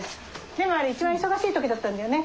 でもあれ一番忙しい時だったんだよね。